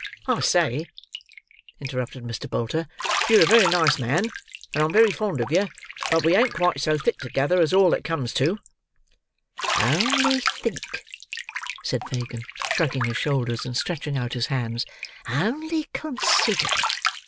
"I say," interrupted Mr. Bolter, "yer a very nice man, and I'm very fond of yer; but we ain't quite so thick together, as all that comes to." "Only think," said Fagin, shrugging his shoulders, and stretching out his hands; "only consider.